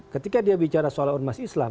ketika dia bicara soal ormas islam